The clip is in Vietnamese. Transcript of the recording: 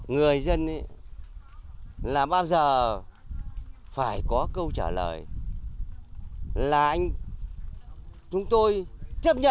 người dân là bao giờ phải có câu trả lời là anh chúng tôi chấp nhận